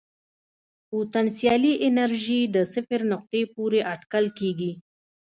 پوتنسیالي انرژي د صفر نقطې پورې اټکل کېږي.